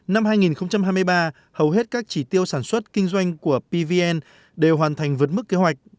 năm hai nghìn hai mươi ba hầu hết các chỉ tiêu sản xuất kinh doanh của pvn đều hoàn thành vượt mức kế hoạch